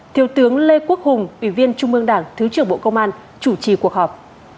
thiếu tướng lê quốc hùng ủy viên trung mương đảng thứ trưởng bộ công an chủ trì cuộc họp